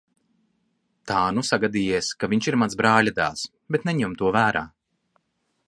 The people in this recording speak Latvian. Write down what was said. Tā nu sagadījies, ka viņš ir mans brāļadēls, bet neņem to vērā.